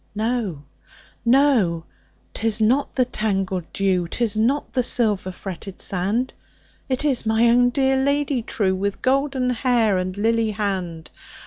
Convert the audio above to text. No! no! 'tis not the tangled dew,'Tis not the silver fretted sand, It is my own dear Lady trueWith golden hair and lily hand!